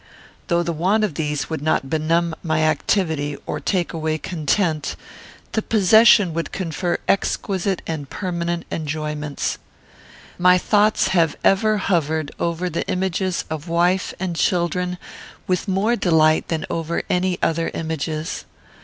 Though the want of these would not benumb my activity, or take away content, the possession would confer exquisite and permanent enjoyments. My thoughts have ever hovered over the images of wife and children with more delight than over any other images.